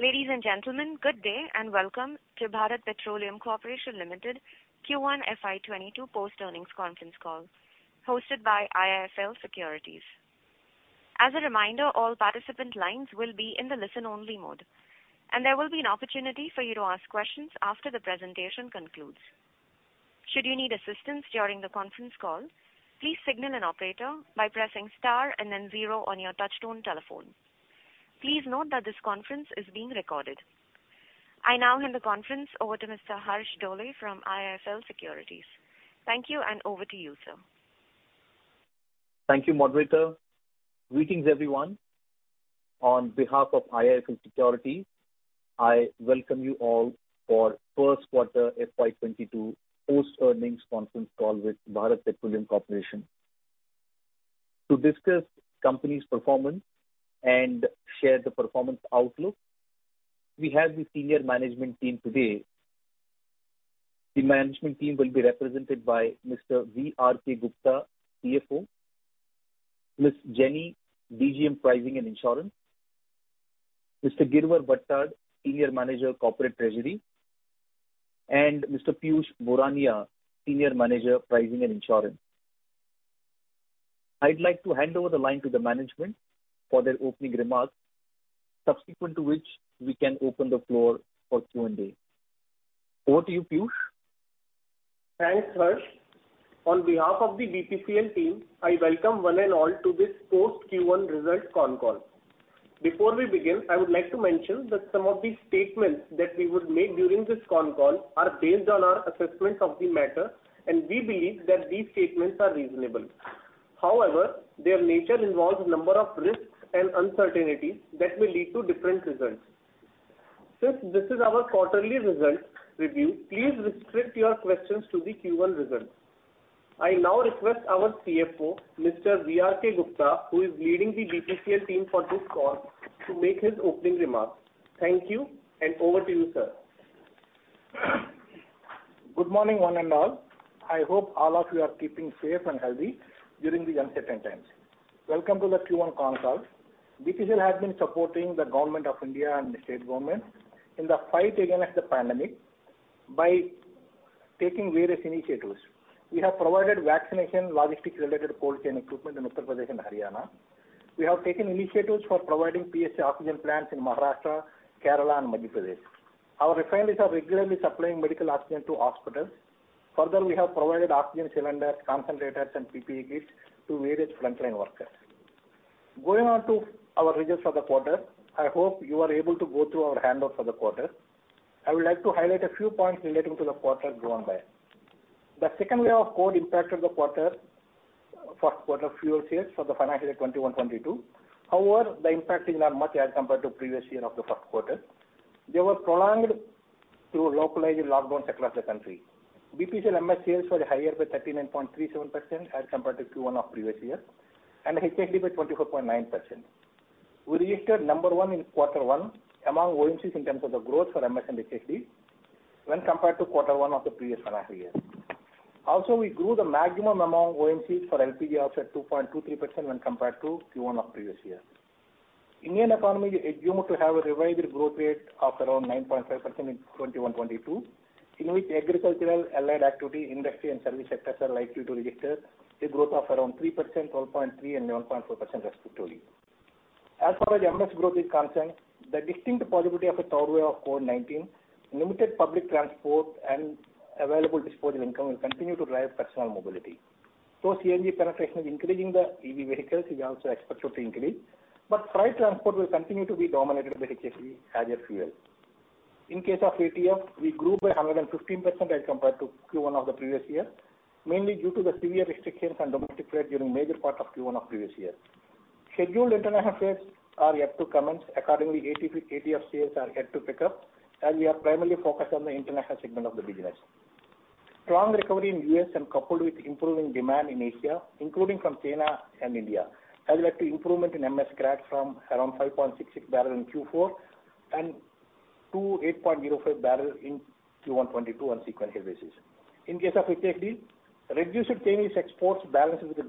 Ladies and gentlemen, good day and welcome to Bharat Petroleum Corporation Limited Q1 FY22 post-earnings conference call, hosted by IIFL Securities. As a reminder, all participant lines will be in the listen only mode, and there will be an opportunity for you to ask questions after the presentation concludes. Should you need assistance during the conference call, please signal an operator by pressing star and then zero on your touchtone telephone. Please note that this conference is being recorded. I now hand the conference over to Mr. Harsh Dole from IIFL Securities. Thank you, and over to you, sir. Thank you, moderator. Greetings, everyone. On behalf of IIFL Securities, I welcome you all for first quarter FY 2022 post-earnings conference call with Bharat Petroleum Corporation. To discuss company's performance and share the performance outlook, we have the senior management team today. The management team will be represented by Mr. V.R.K. Gupta, CFO, Ms. Jenny, DGM, Pricing and Insurance, Mr. Girwar Bhattad, Senior Manager of Corporate Treasury, and Mr. Piyush Borania, Senior Manager, Pricing and Insurance. I'd like to hand over the line to the management for their opening remarks, subsequent to which we can open the floor for Q&A. Over to you, Piyush. Thanks, Harsh. On behalf of the BPCL team, I welcome one and all to this post Q1 results con call. Before we begin, I would like to mention that some of the statements that we would make during this con call are based on our assessments of the matter, and we believe that these statements are reasonable. However, their nature involves a number of risks and uncertainties that may lead to different results. Since this is our quarterly results review, please restrict your questions to the Q1 results. I now request our CFO, Mr. V.R.K. Gupta, who is leading the BPCL team for this call, to make his opening remarks. Thank you, and over to you, sir. Good morning, one and all. I hope all of you are keeping safe and healthy during these uncertain times. Welcome to the Q1 con call. BPCL has been supporting the government of India and the state government in the fight against the pandemic by taking various initiatives. We have provided vaccination logistics-related cold chain equipment in Uttar Pradesh and Haryana. We have taken initiatives for providing PSA oxygen plants in Maharashtra, Kerala, and Madhya Pradesh. Our refineries are regularly supplying medical oxygen to hospitals. Further, we have provided oxygen cylinders, concentrators, and PPE kits to various frontline workers. Going on to our results for the quarter, I hope you are able to go through our handout for the quarter. I would like to highlight a few points relating to the quarter drawn there. The second wave of COVID impacted the first quarter fuel sales for the financial year 2021-2022. However, the impact is not much as compared to previous year of the first quarter. They were prolonged through localized lockdowns across the country. BPCL MS sales were higher by 39.37% as compared to Q1 of previous year, and HSD by 24.9%. We registered number one in quarter one among OMCs in terms of the growth for MS and HSD when compared to quarter one of the previous financial year. Also, we grew the maximum among OMCs for LPG offset 2.23% when compared to Q1 of previous year. Indian economy is assumed to have a revised growth rate of around 9.5% in 2021-2022, in which agricultural, allied activity, industry, and service sectors are likely to register a growth of around 3%, 12.3%, and 1.4% respectively. As far as MS growth is concerned, the distinct possibility of a third wave of COVID-19, limited public transport, and available disposable income will continue to drive personal mobility. Though CNG penetration is increasing, the EV vehicles is also expected to increase, but freight transport will continue to be dominated by HSD as a fuel. In case of ATF, we grew by 115% as compared to Q1 of the previous year, mainly due to the severe restrictions and domestic flight during major part of Q1 of previous year. Scheduled international flights are yet to commence. Accordingly, ATF sales are yet to pick up as we are primarily focused on the international segment of the business. Strong recovery in U.S. and coupled with improving demand in Asia, including from China and India, has led to improvement in MS crack from around $5.66/barrel in Q4 and to $8.05/barrel in Q1 FY22 on sequential basis. In case of HSD, reduced Chinese exports balances with good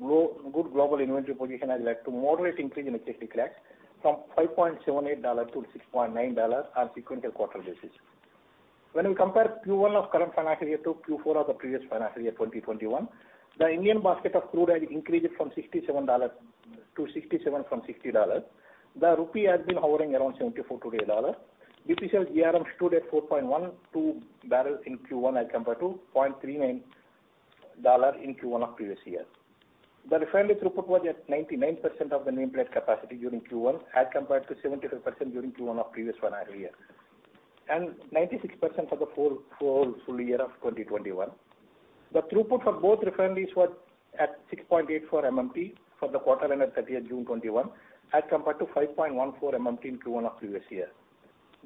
global inventory position has led to moderate increase in HSD cracks from $5.78 to $6.9 on sequential quarter basis. When we compare Q1 of current financial year to Q4 of the previous financial year 2021, the Indian basket of crude had increased to $67 from $60. The rupee has been hovering around INR 74 today dollar. BPCL GRM stood at $4.12/barrel in Q1 as compared to $0.39 in Q1 of previous year. The refinery throughput was at 99% of the nameplate capacity during Q1, as compared to 75% during Q1 of previous financial year, and 96% for the full year of 2021. The throughput for both refineries was at 6.84 MMT for the quarter ended 30th June 2021, as compared to 5.14 MMT in Q1 of previous year.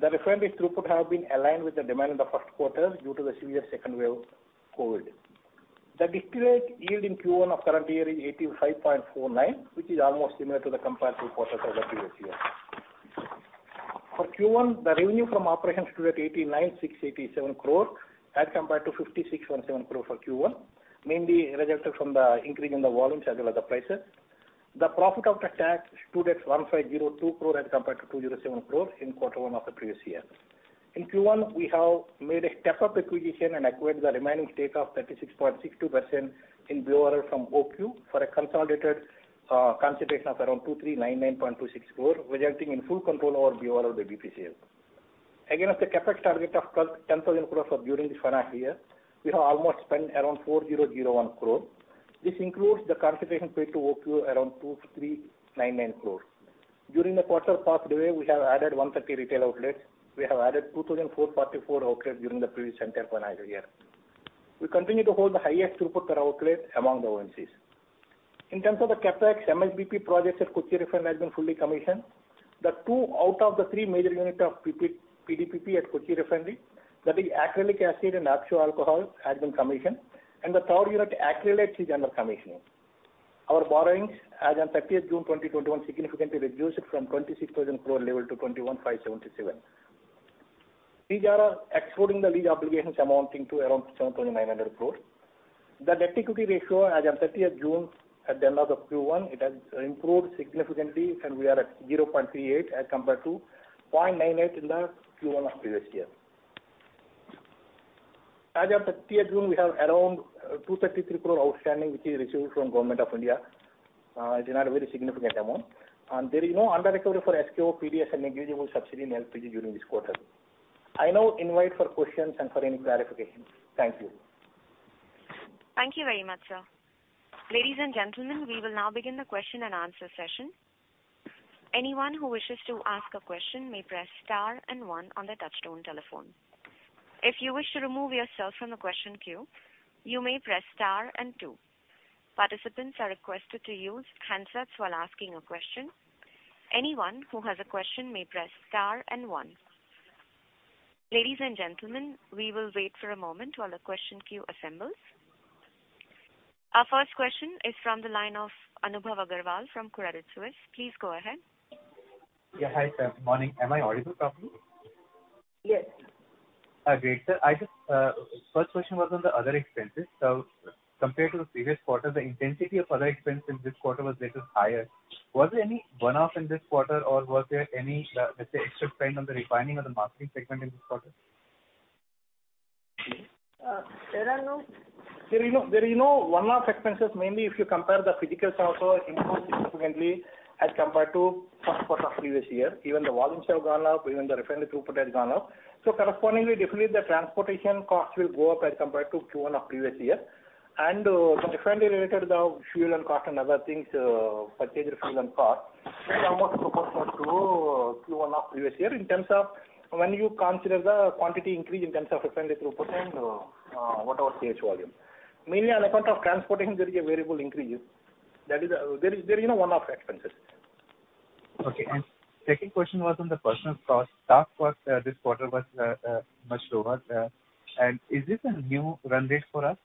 The refinery throughput has been aligned with the demand in the first quarter due to the severe second wave of COVID. The distillate yield in Q1 of current year is 85.49, which is almost similar to the comparative quarter of the previous year. For Q1, the revenue from operations stood at 89,687 crores as compared to 56,170 crores for Q1, mainly resulted from the increase in the volumes as well as the prices. The profit after tax stood at 152 crores as compared to 207 crores in quarter one of the previous year. In Q1, we have made a step-up acquisition and acquired the remaining stake of 36.62% in BORL from OQ for a consolidated consideration of around 2,399.26 crores, resulting in full control over BORL by BPCL. Against the CapEx target of 10,000 crores for during this financial year, we have almost spent around 4,001 crore. This includes the consideration paid to OQ, around 2,399 crores. During the quarter gone by, we have added 130 retail outlets. We have added 2,444 outlets during the previous entire financial year. We continue to hold the highest throughput per outlet among the OMCs. In terms of the CapEx, MSBP projects at Kochi Refinery has been fully commissioned. The two out of the three major units of PDPP at Kochi Refinery, that is acrylic acid and oxo alcohol, has been commissioned, and the third unit, acrylate, is under commissioning. Our borrowings as on 30th June 2021, significantly reduced from 26,000 crore level to 21,577. These are excluding the lease obligations amounting to around 7,900 crore. The debt-to-equity ratio as on 30th June, at the end of the Q1, it has improved significantly and we are at 0.38x as compared to 0.98x in the Q1 of previous year. As of 30th June, we have around 233 crore outstanding, which is received from Government of India. It is not a very significant amount. There is no under-recovery for SKO, PDS and negligible subsidy in LPG during this quarter. I now invite for questions and for any clarifications. Thank you. Thank you very much, sir. Ladies and gentlemen, we will now begin the question and answer session. Anyone who wishes to ask a question may press star and one on the touch-tone telephone. If you wish to remove yourself from the question queue, you may press star and two. Participants are requested to use handsets while asking a question. Anyone who has a question may press star and one. Ladies and gentlemen, we will wait for a moment while the question queue assembles. Our first question is from the line of Anubhav Agarwal from Credit Suisse. Please go ahead. Yeah. Hi, sir. Morning. Am I audible properly? Yes. Great, sir. First question was on the other expenses. Compared to the previous quarter, the intensity of other expenses this quarter was little higher. Was there any one-off in this quarter or was there any, let's say, extra spend on the refining or the marketing segment in this quarter? There are no one-off expenses, mainly if you compare the physicals have also increased significantly as compared to first quarter of previous year. Even the volumes have gone up, even the refinery throughput has gone up. Correspondingly, definitely the transportation cost will go up as compared to Q1 of previous year. Some refinery-related, the fuel and other things, purchased fuel and cost, is almost proportional to Q1 of previous year in terms of when you consider the quantity increase in terms of refinery throughput and whatever sales volume. Mainly on account of transporting, there is a variable increase. There is no one-off expenses. Okay. Second question was on the personnel cost. Staff cost this quarter was much lower. Is this a new run rate for us?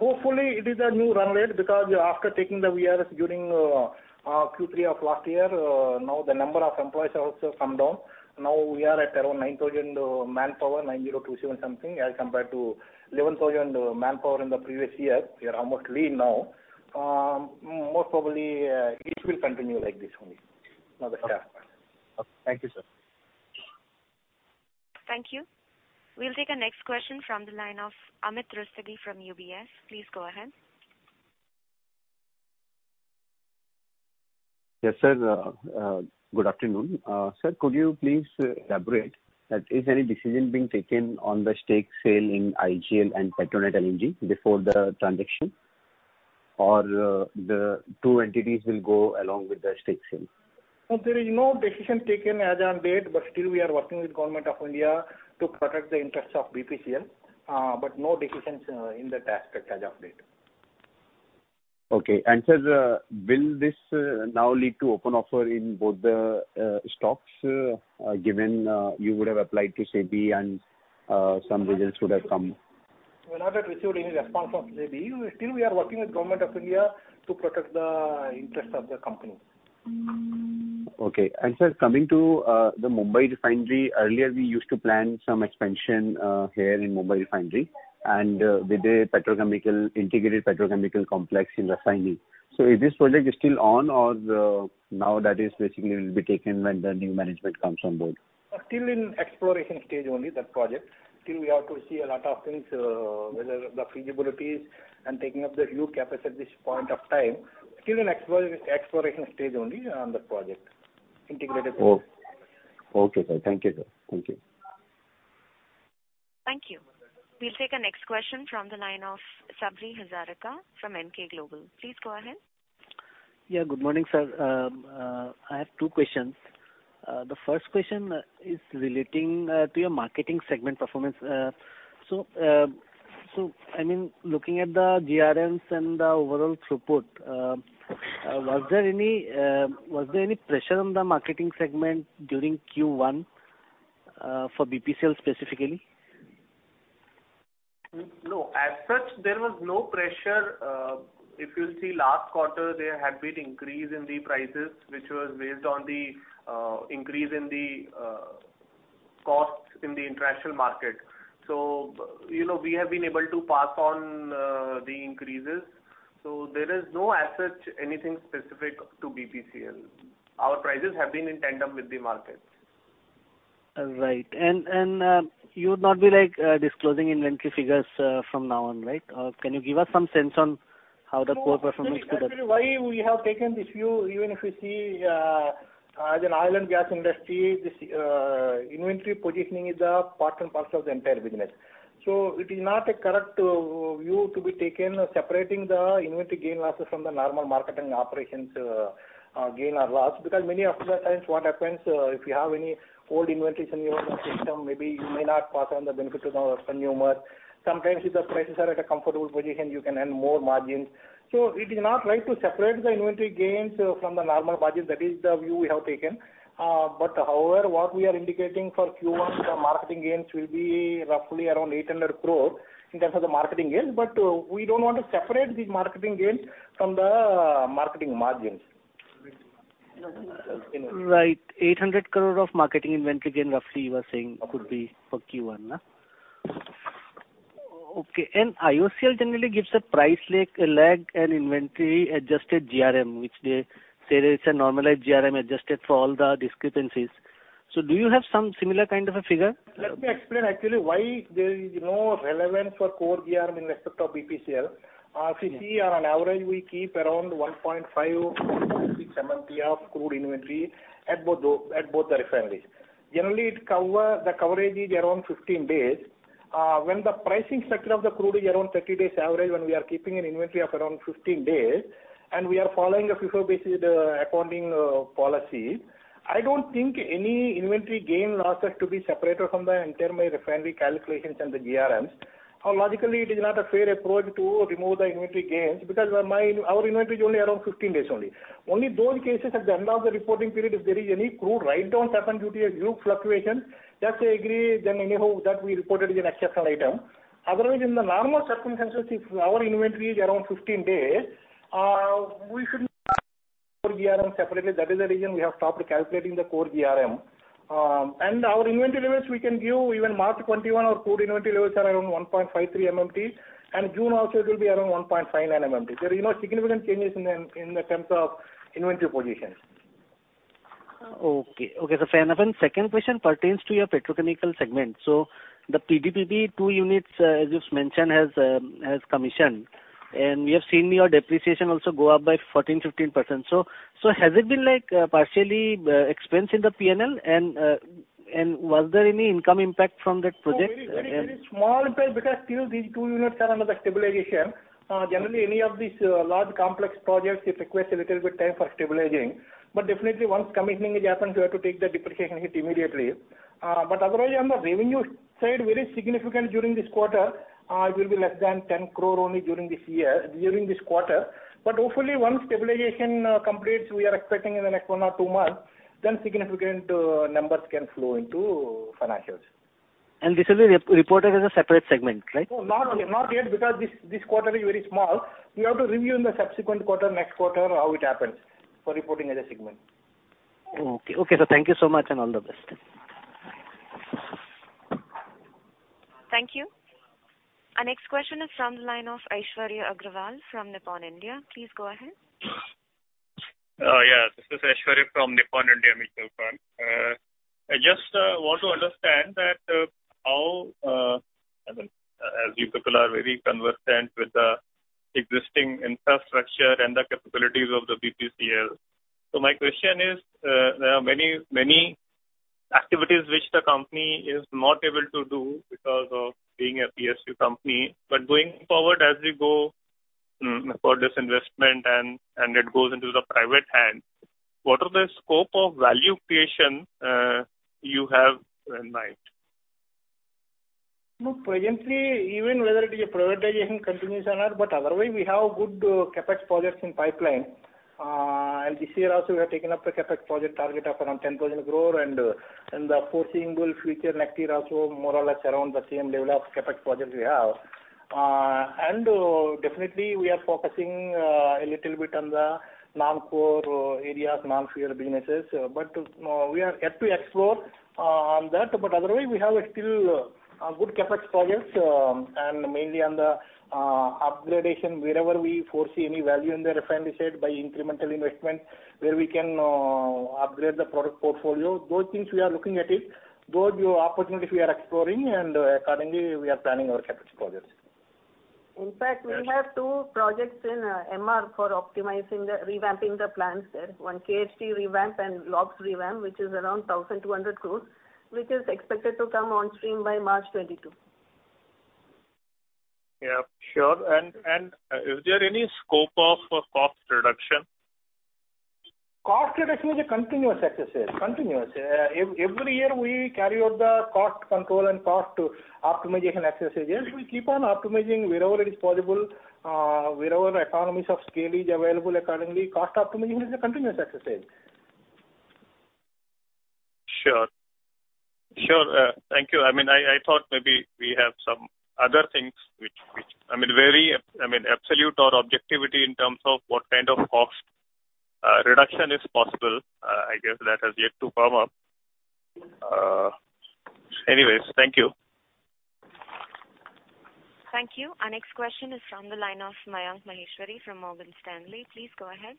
Hopefully, it is a new run rate because after taking the VRS during Q3 of last year, now the number of employees have also come down. Now we are at around 9,000 manpower, 9,200 something, as compared to 11,000 manpower in the previous year. We are almost lean now. Most probably, it will continue like this only. Okay. Thank you, sir. Thank you. We'll take our next question from the line of Amit Rustagi from UBS. Please go ahead. Yes, sir. Good afternoon. Sir, could you please elaborate that is any decision being taken on the stake sale in IGL and Petronet LNG before the transaction? The two entities will go along with the stake sale? No, there is no decision taken as on date. Still we are working with Government of India to protect the interest of BPCL. No decisions in that aspect as of date. Okay. Sir, will this now lead to open offer in both the stocks, given you would have applied to SEBI and some results would have come? We have not received any response from SEBI. We are working with Government of India to protect the interest of the company. Okay. Sir, coming to the Mumbai Refinery, earlier we used to plan some expansion here in Mumbai Refinery and with a integrated petrochemical complex in refinery. Is this project still on or now that is basically will be taken when the new management comes on board? Still in exploration stage only, that project. Still we have to see a lot of things, whether the feasibilities and taking up the new capacity at this point of time. Still in exploration stage only on that project. Okay, sir. Thank you, sir. Thank you. Thank you. We'll take our next question from the line of Sabri Hazarika from Emkay Global. Please go ahead. Yeah, good morning, sir. I have two questions. The first question is relating to your marketing segment performance. Looking at the GRMs and the overall throughput, was there any pressure on the marketing segment during Q1 for BPCL specifically? No. As such, there was no pressure. If you see last quarter, there had been increase in the prices, which was based on the increase in the costs in the international market. We have been able to pass on the increases. There is no, as such, anything specific to BPCL. Our prices have been in tandem with the market. All right. You would not be disclosing inventory figures from now on, right? Can you give us some sense on how the core performance- Actually, why we have taken this view, even if you see as an oil and gas industry, this inventory positioning is a part and parcel of the entire business. It is not a correct view to be taken, separating the inventory gain losses from the normal marketing operations gain or loss. Many of the times what happens, if you have any old inventories in your system, maybe you may not pass on the benefit to the customer. Sometimes if the prices are at a comfortable position, you can earn more margins. It is not right to separate the inventory gains from the normal margins. That is the view we have taken. However, what we are indicating for Q1, the marketing gains will be roughly around 800 crores in terms of the marketing gains. We don't want to separate the marketing gains from the marketing margins. Right. 800 crores of marketing inventory gain, roughly you are saying could be for Q1. Okay. IOCL generally gives a price lag and inventory-adjusted GRM, which they say is a normalized GRM adjusted for all the discrepancies. Do you have some similar kind of a figure? Let me explain actually why there is no relevance for core GRM in respect of BPCL. If you see, on average, we keep around 1.5 MMT-1.6 MMT of crude inventory at both the refineries. Generally, the coverage is around 15 days. When the pricing structure of the crude is around 30 days average, when we are keeping an inventory of around 15 days, and we are following a FIFO-based accounting policy, I don't think any inventory gain losses to be separated from the entire my refinery calculations and the GRMs. Logically, it is not a fair approach to remove the inventory gains, because our inventory is only around 15 days only. Only those cases at the end of the reporting period, if there is any crude write-down happen due to a huge fluctuation, that I agree, then anyhow, that we reported as an exceptional item. Otherwise, in the normal circumstances, if our inventory is around 15 days, we shouldn't core GRM separately. That is the reason we have stopped calculating the core GRM. Our inventory levels, we can give even March 2021, our core inventory levels are around 1.53 MMT, and June also it will be around 1.59 MMT. There are no significant changes in the terms of inventory positions. Second question pertains to your petrochemical segment. The PDPP two units, as you've mentioned, has commissioned, and we have seen your depreciation also go up by 14%-15%. Has it been partially expensed in the P&L, and was there any income impact from that project? Very small impact, because still these two units are under stabilization. Generally, any of these large complex projects, it requires a little bit time for stabilizing. Definitely once commissioning is happened, you have to take the depreciation hit immediately. Otherwise, on the revenue side, very significant during this quarter, it will be less than 10 crore only during this quarter. Hopefully, once stabilization completes, we are expecting in the next one or two months, then significant numbers can flow into financials. This will be reported as a separate segment, right? No, not yet, because this quarter is very small. We have to review in the subsequent quarter, next quarter, how it happens for reporting as a segment. Okay, sir. Thank you so much. All the best. Thank you. Our next question is from the line of Aishwarya Agarwal from Nippon India. Please go ahead. This is Aishwarya from Nippon India Mutual Fund. I just want to understand that how, as you people are very conversant with the existing infrastructure and the capabilities of BPCL. My question is, there are many activities which the company is not able to do because of being a PSU company. Going forward as we go for disinvestment and it goes into the private hand, what are the scope of value creation you have in mind? Presently, even whether it is a privatization continues or not, but otherwise, we have good CapEx projects in pipeline. This year also, we have taken up a CapEx project target of around 10,000 crore, and the foreseeing will feature next year also, more or less around the same level of CapEx projects we have. Definitely we are focusing a little bit on the non-core areas, non-fuel businesses. We are yet to explore on that. Otherwise, we have a still good CapEx projects, and mainly on the upgradation wherever we foresee any value in the refinery side by incremental investment where we can upgrade the product portfolio. Those things we are looking at it. Those opportunities we are exploring, and accordingly, we are planning our CapEx projects. In fact, we have two projects in MR for optimizing, revamping the plants there. One KHT revamp and LOBS revamp, which is around 1,200 crore, which is expected to come on stream by March 2022. Yeah, sure. Is there any scope of cost reduction? Cost reduction is a continuous exercise. Every year we carry out the cost control and cost optimization exercises. We keep on optimizing wherever it is possible, wherever economies of scale is available accordingly. Cost optimization is a continuous exercise. Sure. Thank you. I thought maybe we have some other things which vary absolute or objectivity in terms of what kind of cost reduction is possible. I guess that has yet to come up. Anyways. Thank you. Thank you. Our next question is from the line of Mayank Maheshwari from Morgan Stanley. Please go ahead.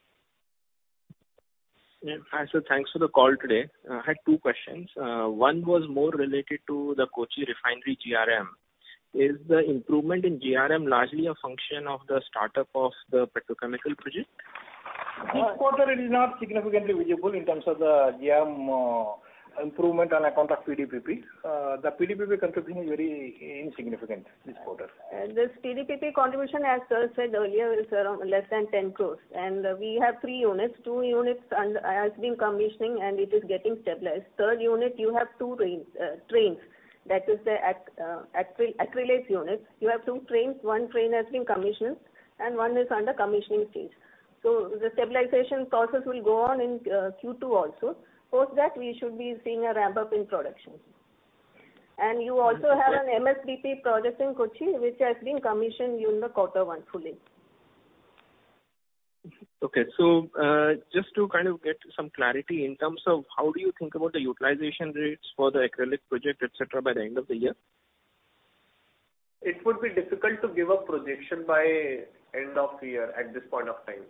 Yeah. Hi, sir. Thanks for the call today. I had two questions. One was more related to the Kochi Refinery GRM. Is the improvement in GRM largely a function of the startup of the petrochemical project? This quarter, it is not significantly visible in terms of the GRM improvement on account of PDPP. The PDPP contribution is very insignificant this quarter. This PDPP contribution, as sir said earlier, is around less than 10 crores. We have three units. Two units has been commissioning, and it is getting stabilized. Third unit, you have two trains. That is the acrylic units. You have two trains. One train has been commissioned and one is under commissioning phase. The stabilization process will go on in Q2 also. Post that, we should be seeing a ramp-up in productions. You also have an MSBP project in Kochi, which has been commissioned during the Q1 fully. Okay. Just to get some clarity in terms of how do you think about the utilization rates for the acrylic project, et cetera, by the end of the year? It would be difficult to give a projection by end of year at this point of time.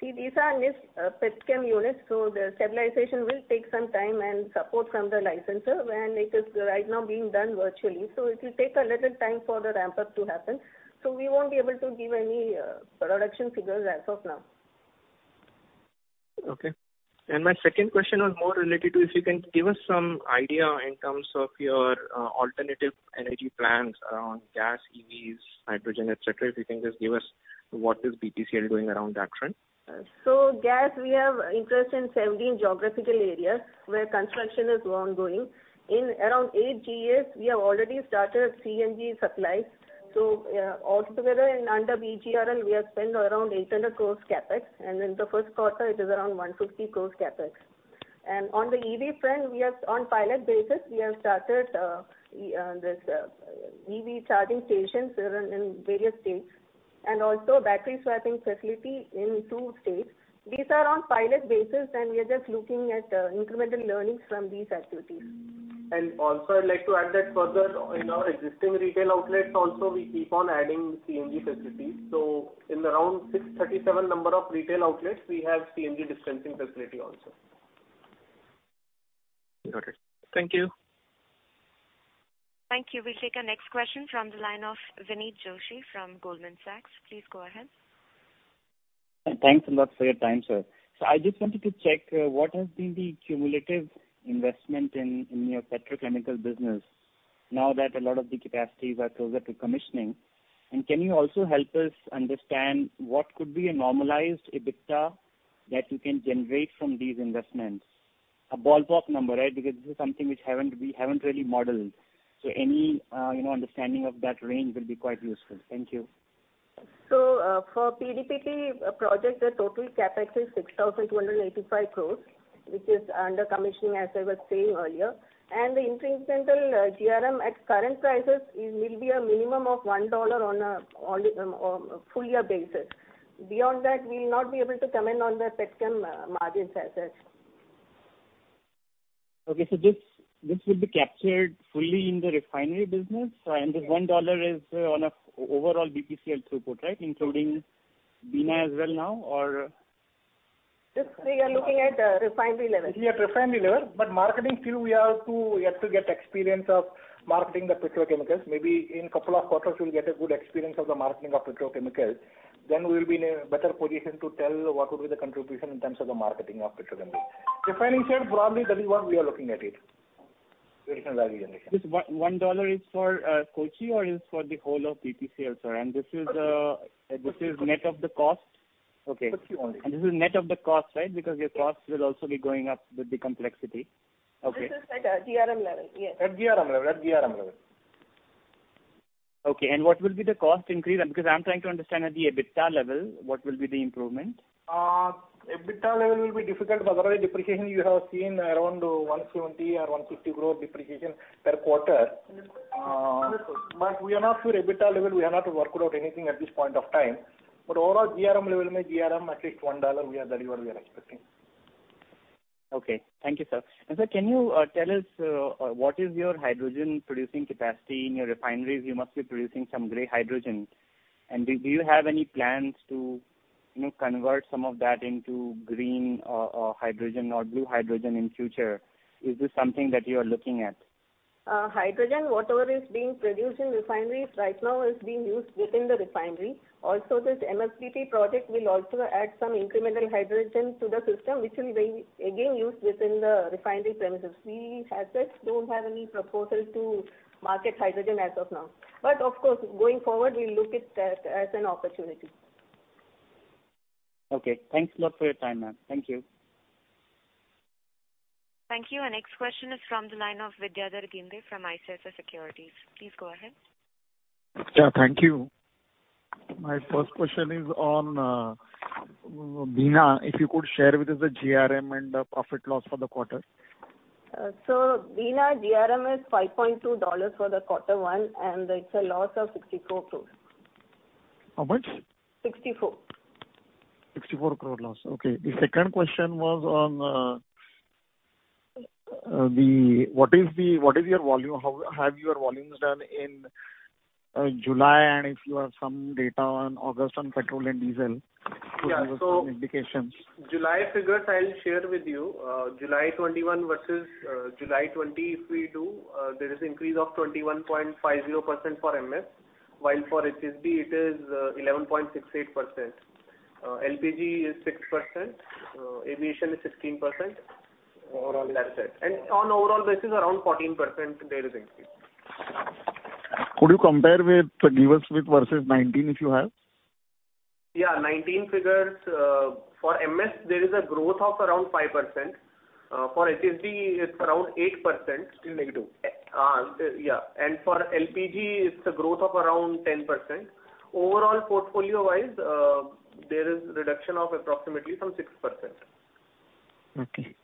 See, these are new petchem units, so the stabilization will take some time and support from the licensor, and it is right now being done virtually. It will take a little time for the ramp-up to happen. We won't be able to give any production figures as of now. Okay. My second question was more related to if you can give us some idea in terms of your alternative energy plans around gas, EVs, hydrogen, et cetera. If you can just give us what is BPCL doing around that front. Gas, we have interest in 17 geographical areas where construction is ongoing. In around eight GAs, we have already started CNG supply. Altogether under BGRL, we have spent around 800 crores CapEx, and in the first quarter, it is around 150 crores CapEx. On the EV front, on a pilot basis, we have started these EV charging stations in various states, and also battery swapping facility in two states. These are on pilot basis, and we are just looking at incremental learnings from these activities. Also, I'd like to add that further in our existing retail outlets also, we keep on adding CNG facilities. In around 637 number of retail outlets, we have CNG dispensing facility also. Got it. Thank you. Thank you. We'll take our next question from the line of Vinit Joshi from Goldman Sachs. Please go ahead. Thanks a lot for your time, sir. I just wanted to check what has been the cumulative investment in your petrochemical business now that a lot of the capacities are closer to commissioning. Can you also help us understand what could be a normalized EBITDA that you can generate from these investments? A ballpark number, right? Because this is something which we haven't really modeled. Any understanding of that range will be quite useful. Thank you. For PDPP project, the total CapEx is 6,285 crores, which is under commissioning, as I was saying earlier. The incremental GRM at current prices will be a minimum of $1 on a full year basis. Beyond that, we'll not be able to comment on the petchem margins as such. This will be captured fully in the refinery business, this $1 is on an overall BPCL throughput, right? Including Bina as well now, or? This we are looking at refinery level. Refinery level, marketing still we have to get experience of marketing the petrochemicals. Maybe in couple of quarters, we'll get a good experience of the marketing of petrochemical, we'll be in a better position to tell what would be the contribution in terms of the marketing of petrochemical. Refinery, broadly, that is what we are looking at it. Additional value generation. This $1 is for Kochi or is for the whole of BPCL, sir? Is this net of the cost? Okay. Kochi only. This is net of the cost, right? Your costs will also be going up with the complexity. Okay. This is at GRM level, yes. At GRM level. Okay. What will be the cost increase? Because I am trying to understand at the EBITDA level, what will be the improvement? EBITDA level will be difficult because already depreciation you have seen around 170 or 150 growth depreciation per quarter. We are not sure EBITDA level, we have not worked out anything at this point of time. Overall, GRM level, my GRM at least $1, that is what we are expecting. Okay. Thank you, sir. Sir, can you tell us what is your hydrogen producing capacity in your refineries? You must be producing some gray hydrogen. Do you have any plans to convert some of that into green hydrogen or blue hydrogen in future? Is this something that you are looking at? Hydrogen, whatever is being produced in refineries right now is being used within the refinery. Also, this MSBP project will also add some incremental hydrogen to the system, which will be again used within the refinery premises. We as such don't have any proposal to market hydrogen as of now. Of course, going forward, we'll look it as an opportunity. Okay. Thanks a lot for your time, ma'am. Thank you. Thank you. Our next question is from the line of Vidyadhar Ginde from ICICI Securities. Please go ahead. Thank you. My first question is on Bina. If you could share with us the GRM and profit loss for the quarter. Bina GRM is $5.2 for the Q1, and it's a loss of 64 crore. How much? 64 crore. 64 crore loss. Okay. The second question was on what is your volume? How have your volumes done in July? If you have some data on August on petrol and diesel to give us some indications. July figures I'll share with you. July 2021 versus July 2020, if we do, there is increase of 21.50% for MS, while for HSD it is 11.68%. LPG is 6%, aviation is 16%, overall that's it. On an overall basis, around 14% there is increase. Could you compare with the give us with versus 2019, if you have? 2019 figures, for MS, there is a growth of around 5%. For HSD, it's around 8%. Still negative? Yeah. For LPG, it's a growth of around 10%. Overall, portfolio-wise, there is reduction of approximately some 6%. Okay.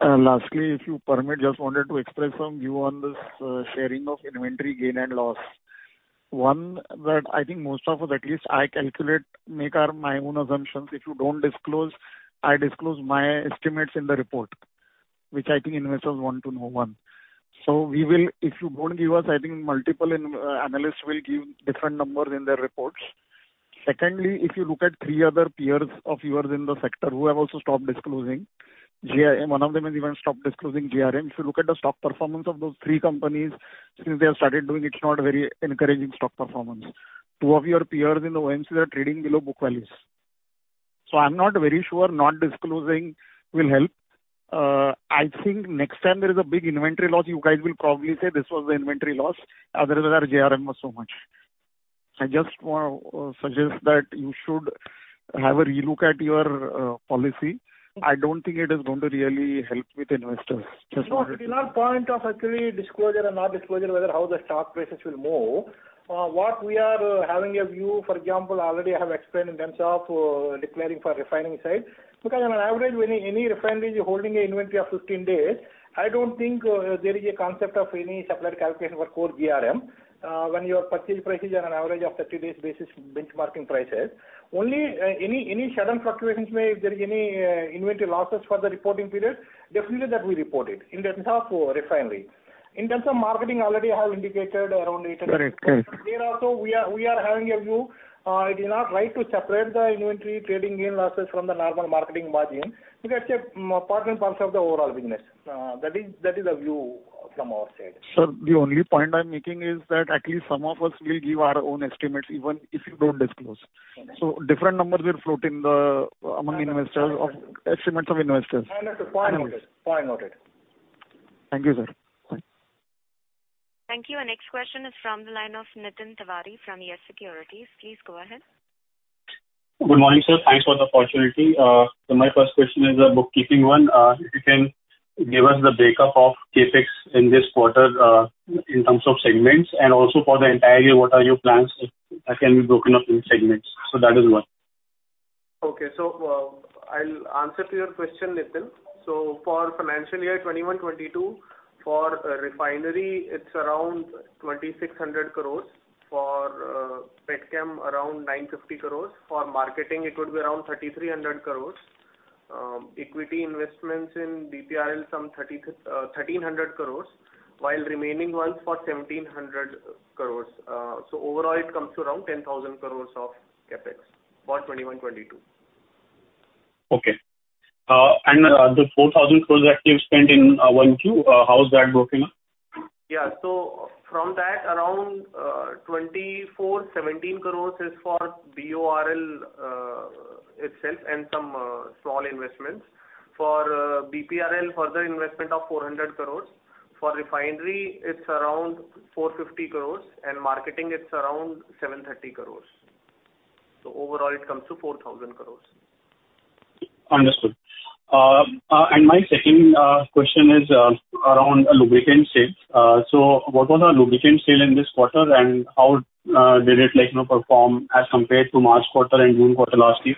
Lastly, if you permit, just wanted to express some view on this sharing of inventory gain and loss. One, that I think most of us, at least I calculate, make my own assumptions. If you don't disclose, I disclose my estimates in the report, which I think investors want to know, one. If you don't give us, I think multiple analysts will give different numbers in their reports. Secondly, if you look at three other peers of yours in the sector who have also stopped disclosing GRM, one of them has even stopped disclosing GRM. If you look at the stock performance of those three companies since they have started doing, it's not very encouraging stock performance. Two of your peers in the OMCs are trading below book values. I'm not very sure not disclosing will help. I think next time there is a big inventory loss, you guys will probably say, "This was the inventory loss, otherwise our GRM was so much." I just want to suggest that you should have a relook at your policy. I don't think it is going to really help with investors. No, it is not point of actually disclosure or not disclosure, whether how the stock prices will move. What we are having a view, for example, already I have explained in terms of declaring for refining side. On an average, any refinery is holding an inventory of 15 days. I don't think there is a concept of any separate calculation for core GRM. When your purchase prices are on an average of 30 days basis, benchmarking prices, only any sudden fluctuations may, if there is any inventory losses for the reporting period, definitely that we report it in terms of refinery. In terms of marketing, already I have indicated around INR 800 crore. Correct. There also, we are having a view. It is not right to separate the inventory trading gain losses from the normal marketing margin because it's a part and parcel of the overall business. That is the view from our side. Sir, the only point I'm making is that at least some of us will give our own estimates, even if you don't disclose. Okay. Different numbers will float among investors. I understood. Estimates of investors. I understood. Point noted. Thank you, sir. Bye. Thank you. Our next question is from the line of Nitin Tiwari from YES SECURITIES. Please go ahead. Good morning, sir. Thanks for the opportunity. My first question is a bookkeeping one. If you can give us the breakup of CapEx in this quarter, in terms of segments, and also for the entire year, what are your plans that can be broken up in segments? That is one. Okay. I'll answer to your question, Nitin. For financial year 2021/2022, for refinery, it's around 2,600 crores. For petchem, around 950 crores. For marketing, it would be around 3,300 crores. Equity investments in BPRL, some 1,300 crores, while remaining one for 1,700 crores. Overall, it comes to around 10,000 crores of CapEx for 2021/2022. Okay. The 4,000 crores that you've spent in 1Q, how is that broken up? Yeah. From that, around 2,417 crores is for BORL itself and some small investments. For BPRL, further investment of 400 crores. For refinery, it's around 450 crores, and marketing, it's around 730 crores. Overall, it comes to 4,000 crores. Understood. My second question is around lubricant sales. What was our lubricant sale in this quarter, and how did it perform as compared to March quarter and June quarter last year?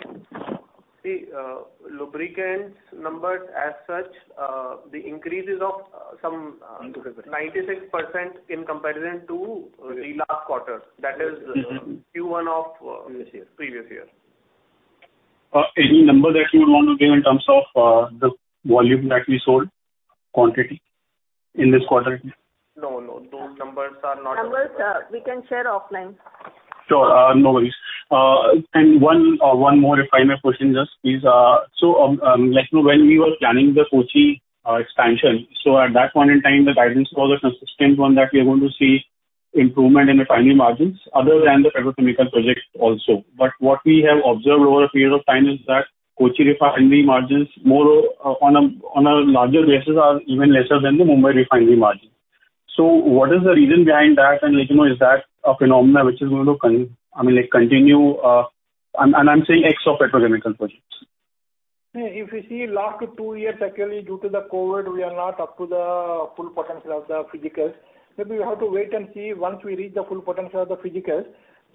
Lubricants numbers as such, the increase is of some 96% in comparison to the last quarter, that is Q1. Previous year. Previous year. Any number that you would want to give in terms of the volume that we sold, quantity in this quarter? No, no. Those numbers are not- Numbers, we can share offline. No worries. One more, if I may, question just, please. When we were planning the Kochi expansion, at that point in time, the guidance was a consistent one that we are going to see improvement in refinery margins other than the petrochemical projects also. What we have observed over a period of time is that Kochi Refinery margins more on a larger basis are even lesser than the Mumbai Refinery margin. What is the reason behind that, and is that a phenomenon which is going to continue? I'm saying ex of petrochemical projects. If you see last two years, actually due to the COVID, we are not up to the full potential of the physicals. Maybe we have to wait and see once we reach the full potential of the physicals.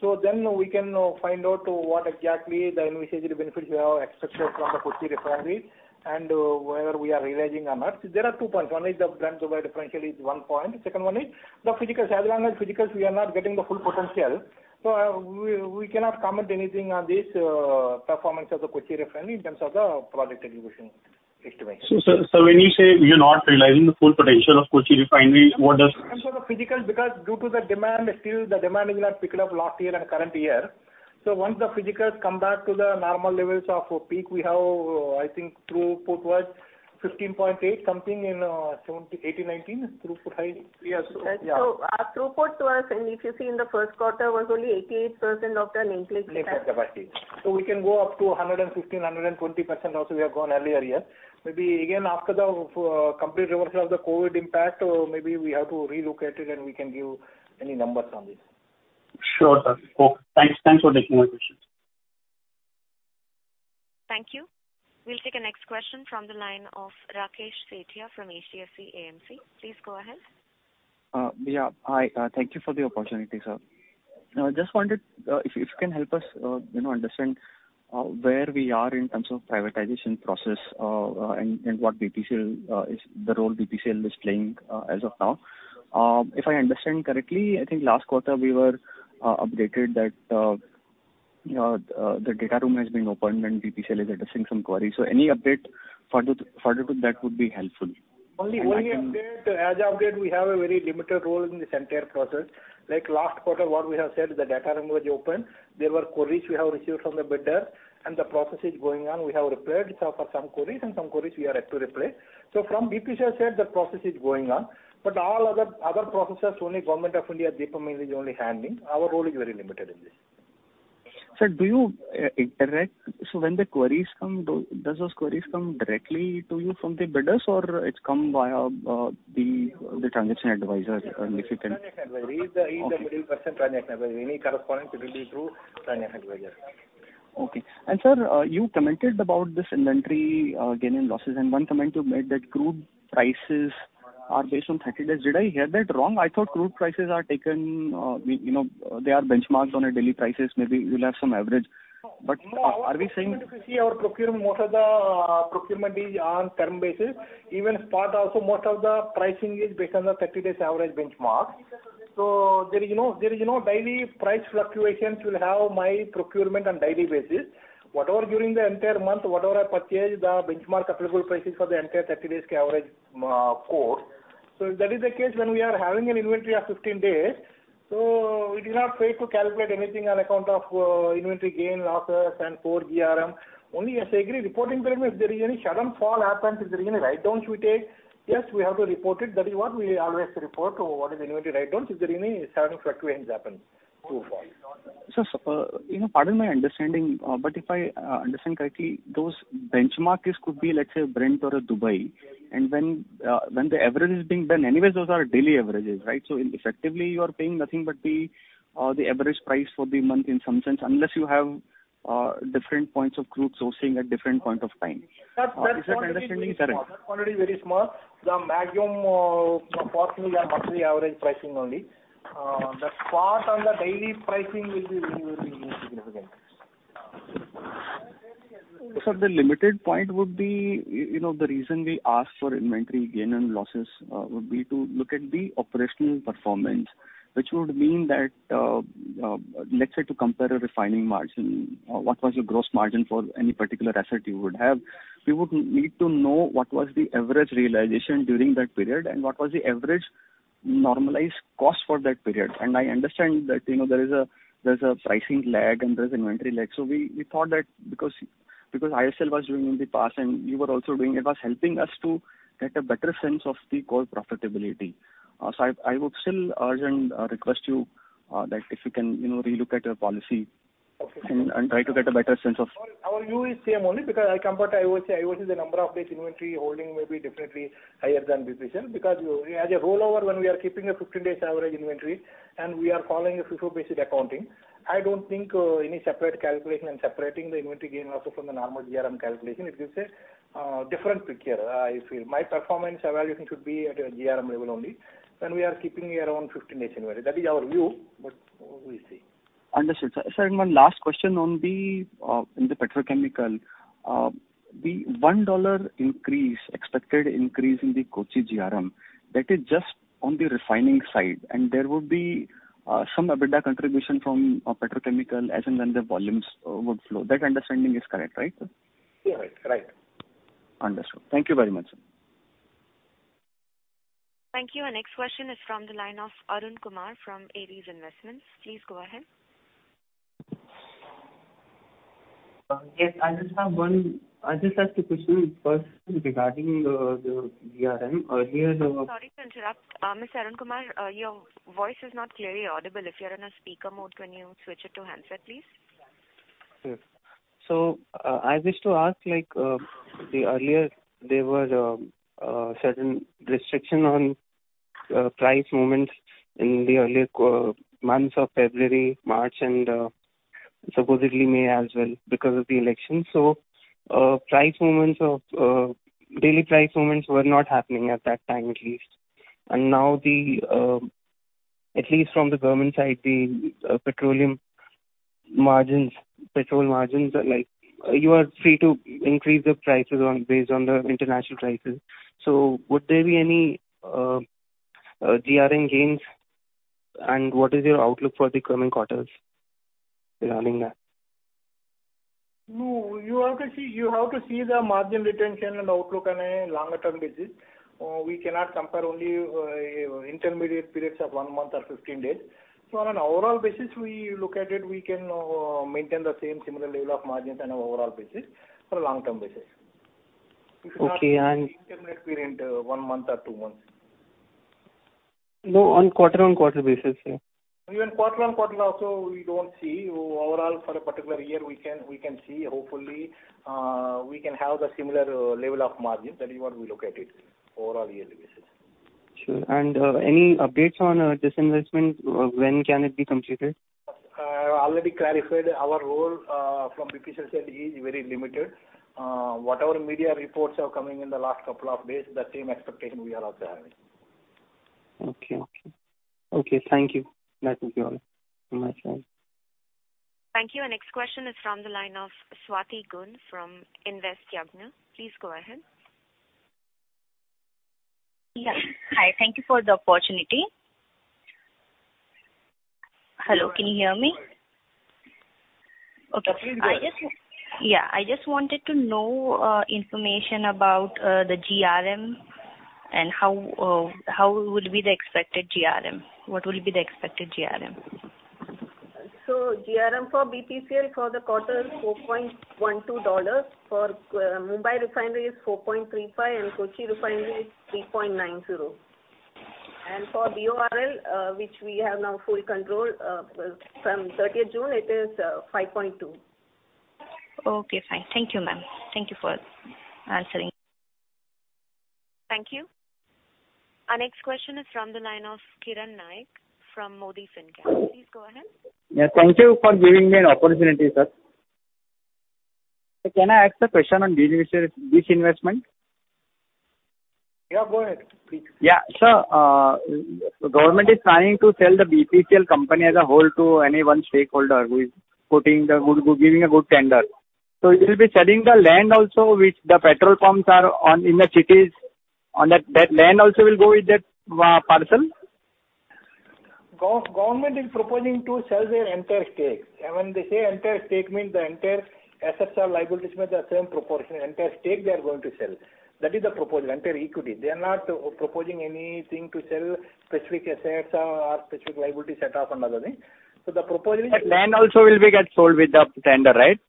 We can find out what exactly the envisaged benefits we have extracted from the Kochi Refinery and whether we are realizing or not. There are two points. One is the Brent-Dubai differential is one point. Second one is the physicals. As long as physicals, we are not getting the full potential, we cannot comment anything on this performance of the Kochi Refinery in terms of the project execution estimation. When you say we are not realizing the full potential of Kochi refinery. In terms of the physicals, because due to the demand, still the demand is not picked up last year and current year. Once the physicals come back to the normal levels of peak we have, I think throughput was 15.8 MMT something in 2018-2019 throughput, right? Three years ago. Yeah. Our throughput was, and if you see in the first quarter, was only 88% of the nameplate capacity. Nameplate capacity. We can go up to 115%-120% also we have gone earlier years. Maybe again after the complete reversal of the COVID impact, maybe we have to relook at it and we can give any numbers on this. Sure, sir. Okay. Thanks for taking my questions. Thank you. We'll take the next question from the line of Rakesh Sethia from HDFC AMC. Please go ahead. Yeah. Hi, thank you for the opportunity, sir. Just wondered if you can help us understand where we are in terms of privatization process, and the role BPCL is playing as of now. If I understand correctly, I think last quarter we were updated that the data room has been opened and BPCL is addressing some queries. Any update further to that would be helpful. Only update, as of date, we have a very limited role in this entire process. Like last quarter, what we have said, the data room was opened. There were queries we have received from the bidder, and the process is going on. We have replied for some queries, and some queries we are yet to reply. From BPCL side, the process is going on. All other processes, only Government of India, DIPAM is only handling. Our role is very limited in this. Sir, when the queries come, does those queries come directly to you from the bidders, or it come via the transaction advisor? Transaction advisor. He is the middle person, transaction advisor. Any correspondence will be through transaction advisor. Okay. Sir, you commented about this inventory gain and losses, and one comment you made that crude prices are based on 30 days. Did I hear that wrong? I thought crude prices, they are benchmarked on a daily prices. Maybe you will have some average. Are we saying- Most of the procurement is on term basis. Even spot also, most of the pricing is based on the 30 days average benchmark. There is no daily price fluctuations will have my procurement on daily basis. Whatever during the entire month, whatever I purchase, the benchmark applicable prices for the entire 30 days average quote. That is the case when we are having an inventory of 15 days. We do not try to calculate anything on account of inventory gain, losses and core GRM. Only as a reporting period, if there is any sudden fall happens, if there is any write-downs we take, yes, we have to report it. That is what we always report, what is the inventory write-downs, if there is any sudden fluctuations happen to fall. Sir, pardon my understanding, but if I understand correctly, those benchmarks could be, let's say Brent or a Dubai. When the average is being done, anyways, those are daily averages, right? Effectively, you are paying nothing but the average price for the month in some sense, unless you have different points of crude sourcing at different point of time. Is that understanding correct? That quantity is very small. The maximum possible are monthly average pricing only. The spot and the daily pricing will be very insignificant. Sir, the limited point would be, the reason we ask for inventory gain and losses would be to look at the operational performance, which would mean that, let's say to compare a refining margin, what was your gross margin for any one particular asset you would have. We would need to know what was the average realization during that period, and what was the average normalized cost for that period. I understand that there's a pricing lag and there's inventory lag. We thought that because IOCL was doing in the past and you were also doing, it was helping us to get a better sense of the core profitability. I would still urge and request you that if you can relook at your policy and try to get a better sense of. Our view is same only because I compared to IOC. IOC, the number of days inventory holding may be definitely higher than BPCL because as a rollover, when we are keeping a 15 days average inventory and we are following a FIFO-based accounting, I don't think any separate calculation and separating the inventory gain also from the normal GRM calculation, it gives a different picture, I feel. My performance evaluation should be at a GRM level only. When we are keeping around 15 days inventory. That is our view, but we'll see. Understood, sir. Sir, one last question on the petrochemical. The $1 increase, expected increase in the Kochi GRM, that is just on the refining side, and there would be some EBITDA contribution from petrochemical as and when the volumes would flow. That understanding is correct, right? Yeah, right. Understood. Thank you very much, sir. Thank you. Our next question is from the line of Arun Kumar from ADES Investments. Please go ahead. Yes, I just have two questions. First, regarding the GRM, earlier. Sorry to interrupt. Mr. Arun Kumar, your voice is not clearly audible. If you're in a speaker mode, can you switch it to handset, please? Sure. I wish to ask, earlier there was a certain restriction on price movements in the earlier months of February, March, and supposedly May as well because of the election. Daily price movements were not happening at that time, at least. Now at least from the government side, the petroleum margins, petrol margins, you are free to increase the prices based on the international prices. Would there be any GRM gains, and what is your outlook for the coming quarters regarding that? You have to see the margin retention and outlook on a longer-term basis. We cannot compare only intermediate periods of one month or 15 days. On an overall basis, we look at it, we can maintain the same similar level of margins on an overall basis for long-term basis. Okay. It's not intermediate period, one month or two months. No, on quarter-on-quarter basis, sir. Even quarter-on-quarter also, we don't see. Overall for a particular year, we can see. Hopefully, we can have the similar level of margins. That is what we look at it, overall year basis. Sure. Any updates on disinvestment? When can it be completed? I already clarified our role from BPCL's side is very limited. Whatever media reports are coming in the last couple of days, the same expectation we are also having. Okay. Thank you. That is all from my side. Thank you. Our next question is from the line of [Swati Goon] from InvestYadnya. Please go ahead. Yeah. Hi, thank you for the opportunity. Hello, can you hear me? Yes. Okay. I just wanted to know information about the GRM and what will be the expected GRM? GRM for BPCL for the quarter $4.12. For Mumbai Refinery is $4.35, and Kochi Refinery is $3.90. For BORL, which we have now full control from 30th June, it is $5.2. Okay, fine. Thank you, ma'am. Thank you for answering. Thank you. Our next question is from the line of Kiran Naik from Modi Fincap. Please go ahead. Yeah, thank you for giving me an opportunity, sir. Can I ask a question on BPCL's disinvestment? Yeah, go ahead, please. Yeah. The government is trying to sell the BPCL company as a whole to any one stakeholder who is giving a good tender. It will be selling the land also which the petrol pumps are on in the cities, on that land also will go with that parcel? Government is proposing to sell their entire stake. When they say entire stake means the entire assets or liabilities must have same proportion. Entire stake they are going to sell. That is the proposal, entire equity. They are not proposing anything to sell specific assets or specific liability set off another thing. Land also will get sold with the tender, right?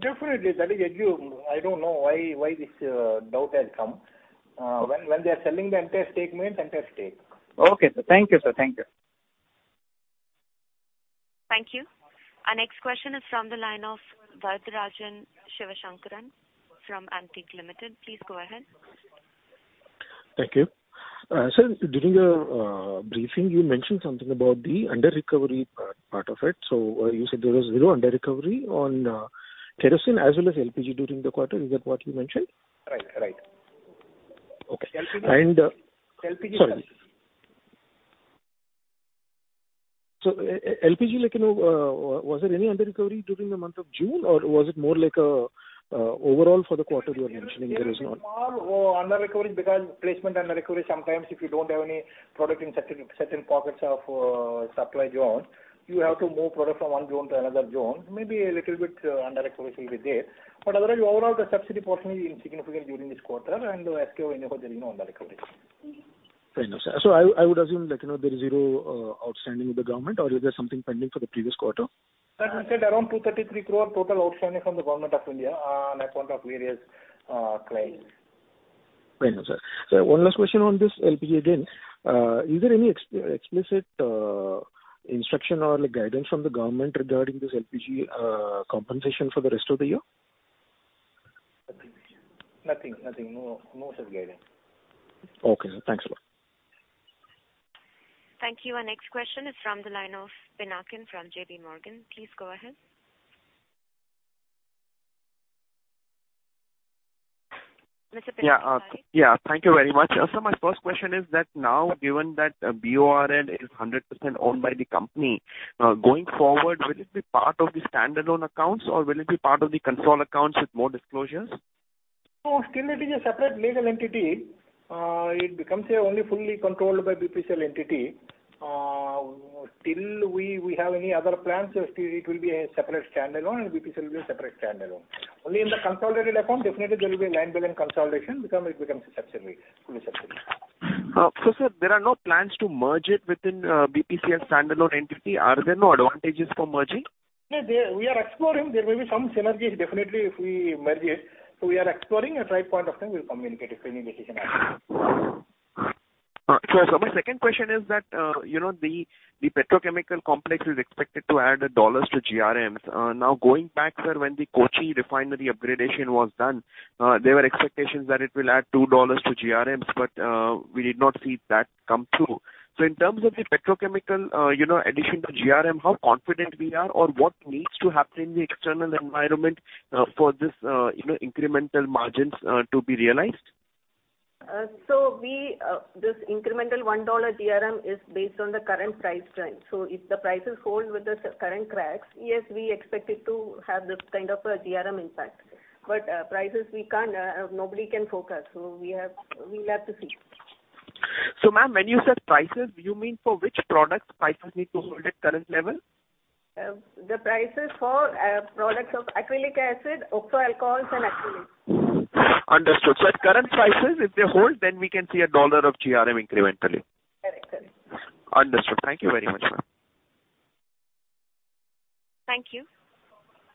Definitely. That is assumed. I don't know why this doubt has come. When they are selling the entire stake means entire stake. Okay, sir. Thank you, sir. Thank you. Our next question is from the line of Varatharajan Sivasankaran from Antique Limited. Please go ahead. Thank you. Sir, during your briefing, you mentioned something about the under recovery part of it. You said there was zero under recovery on kerosene as well as LPG during the quarter. Is that what you mentioned? Right. Okay. LPG- Sorry. LPG, was there any under recovery during the month of June, or was it more like overall for the quarter you are mentioning there is not? Small under recovery because placement under recovery, sometimes if you don't have any product in certain pockets of supply zones, you have to move product from one zone to another zone. Maybe a little bit under recovery will be there. Otherwise, overall the subsidy portion is insignificant during this quarter, and as per anyhow there is no under recovery. Fair enough, sir. I would assume that there is zero outstanding with the government, or is there something pending for the previous quarter? We said around 233 crore total outstanding from the Government of India on account of various claims. Fair enough, sir. Sir, one last question on this LPG again. Is there any explicit instruction or guidance from the government regarding this LPG compensation for the rest of the year? Nothing. No such guidance. Okay, sir. Thanks a lot. Thank you. Our next question is from the line of Pinakin from JPMorgan. Please go ahead. Mr. Pinakin, go ahead. Thank you very much. Sir, my first question is that now given that BORL is 100% owned by the company, going forward, will it be part of the standalone accounts or will it be part of the consolidated accounts with more disclosures? Still it is a separate legal entity. It becomes only fully controlled by BPCL entity. Till we have any other plans, it will be a separate standalone and BPCL will be a separate standalone. Only in the consolidated account, definitely there will be a line building consolidation because it becomes a fully subsidiary. Sir, there are no plans to merge it within BPCL standalone entity. Are there no advantages for merging? No, we are exploring. There may be some synergies definitely if we merge it. We are exploring, at right point of time we'll communicate if any decision arrives. Sure. My second question is that the petrochemical complex is expected to add $1 to GRMs. Going back, sir, when the Kochi Refinery upgradation was done, there were expectations that it will add $2 to GRMs, we did not see that come through. In terms of the petrochemical addition to GRM, how confident we are or what needs to happen in the external environment for these incremental margins to be realized? This incremental $1 GRM is based on the current price trend. If the prices hold with the current cracks, yes, we expect it to have this kind of a GRM impact. Prices, nobody can forecast. We'll have to see. Ma'am, when you said prices, you mean for which product prices need to hold at current level? The prices for products of acrylic acid, oxo alcohols, and acrylates. Understood. At current prices, if they hold, then we can see $1 of GRM incrementally. Correct. Understood. Thank you very much, ma'am. Thank you.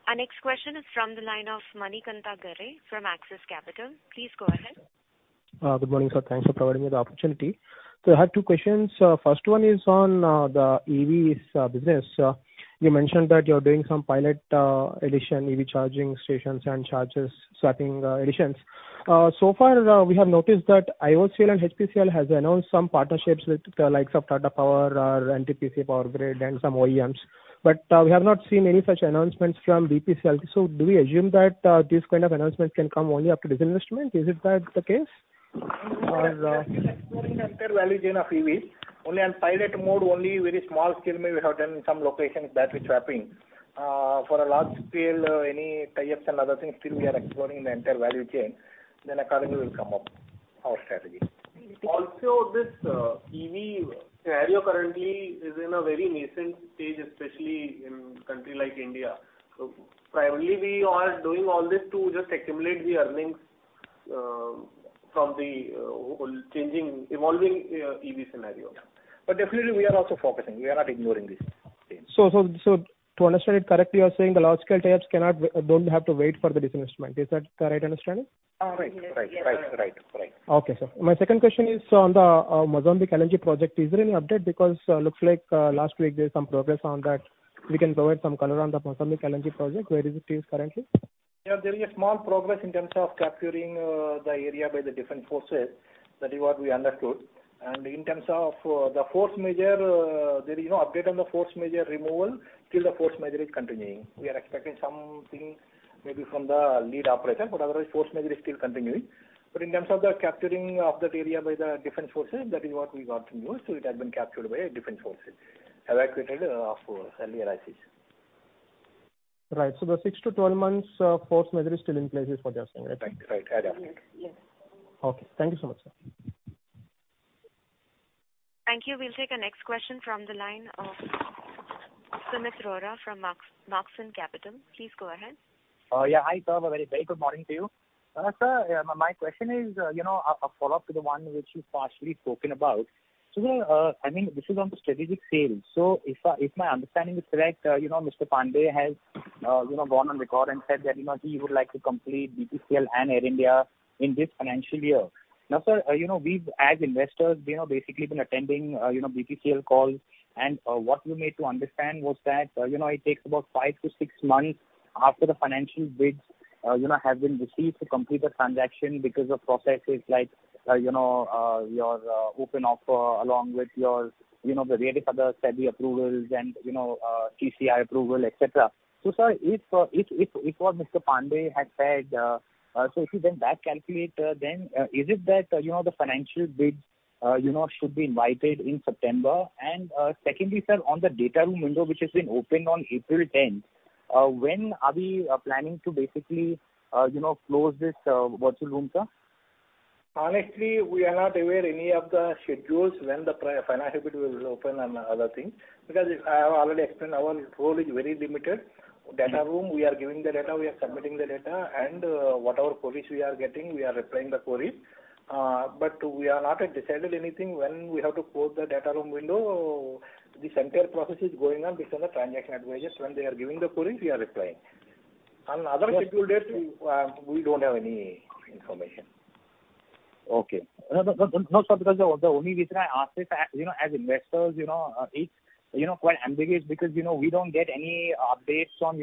Our next question is from the line of Manikantha Garre from Axis Capital. Please go ahead. Good morning, sir. Thanks for providing me the opportunity. I have two questions. First one is on the EVs business. You mentioned that you're doing some pilot edition EV charging stations and charger swapping editions. Far, we have noticed that IOCL and HPCL has announced some partnerships with the likes of Tata Power or NTPC, Power Grid and some OEMs. We have not seen any such announcements from BPCL. Do we assume that these kind of announcements can come only after disinvestment? Is that the case? We are still exploring the entire value chain of EVs. Only on pilot mode, only very small scale may we have done in some locations battery swapping. For a large scale, any tie-ups and other things, still we are exploring the entire value chain. Accordingly will come up our strategy. This EV scenario currently is in a very nascent stage, especially in country like India. Primarily we are doing all this to just accumulate the earnings from the whole evolving EV scenario. Definitely we are also focusing, we are not ignoring this thing. To understand it correctly, you are saying the large scale tie-ups don't have to wait for the disinvestment. Is that the right understanding? Right. Yes. Right. Okay, sir. My second question is on the Mozambique LNG project. Is there any update? Looks like last week there was some progress on that. We can provide some color on the Mozambique LNG project. Where is it currently? Yeah, there is a small progress in terms of capturing the area by the defense forces. That is what we understood. In terms of the force majeure, there is no update on the force majeure removal till the force majeure is continuing. We are expecting something maybe from the lead operator, but otherwise force majeure is still continuing. In terms of the capturing of that area by the defense forces, that is what we got to know. It has been captured by defense forces, evacuated of earlier ISIS. Right. The 6-12 months force majeure is still in place is what you are saying, right? Right. Yes. Okay. Thank you so much, sir. Thank you. We'll take our next question from the line of Sumeet Rohra from Moxyn Capital. Please go ahead. Yeah. Hi, sir. A very good morning to you. Sir, my question is a follow-up to the one which you've partially spoken about. This is on the strategic sales. If my understanding is correct, Mr. Pandey has gone on record and said that he would like to complete BPCL and Air India in this financial year. Sir, we've as investors, basically been attending BPCL calls, and what we made to understand was that it takes about five to six months after the financial bids have been received to complete the transaction because of processes like your open offer along with various other SEBI approvals and CCI approval, et cetera. Sir, if what Mr. Pandey had said, if you then back calculate then, is it that the financial bids should be invited in September? Secondly, sir, on the data room window, which has been opened on April 10th, when are we planning to basically close this virtual room, sir? Honestly, we are not aware any of the schedules when the financial bid will open and other things, because I have already explained our role is very limited. Data room, we are giving the data, we are submitting the data. Whatever queries we are getting, we are replying the query. We are not yet decided anything when we have to close the data room window. This entire process is going on between the transaction advisors. When they are giving the queries, we are replying. On other scheduled dates, we don't have any information. No, sir, the only reason I ask this, as investors, it's quite ambiguous because we don't get any updates on